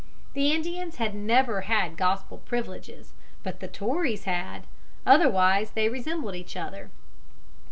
The Indians had never had gospel privileges, but the Tories had. Otherwise they resembled each other.